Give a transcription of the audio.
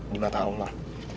di mata allah